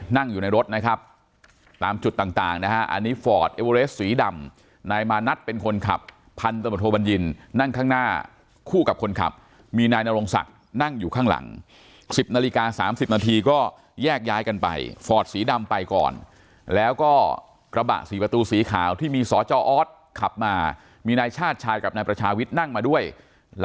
นั่งอยู่ในรถนะครับตามจุดต่างนะฮะอันนี้ฟอร์ดเอเวอเรสสีดำนายมานัดเป็นคนขับพันตำรวจโทบัญญินนั่งข้างหน้าคู่กับคนขับมีนายนรงศักดิ์นั่งอยู่ข้างหลัง๑๐นาฬิกา๓๐นาทีก็แยกย้ายกันไปฟอร์ดสีดำไปก่อนแล้วก็กระบะสี่ประตูสีขาวที่มีสจออสขับมามีนายชาติชายกับนายประชาวิทย์นั่งมาด้วย